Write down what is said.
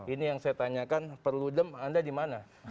ini yang saya tanyakan perlu dem anda di mana